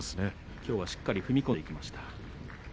きょうは、しっかりと踏み込んでいきました。